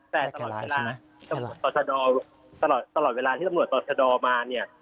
แต่ตลอดเวลาตลอดเวลาที่ตำรวจต่อชะดอมาเนี่ย